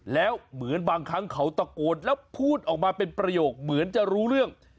แล้วเหมือนบางครั้งเขาตะโกนแล้วพูดออกมาเป็นประโยคเหมือนจะรู้เรื่อง